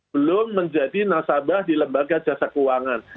belum menjadi nasabah di lembaga jasa keuangan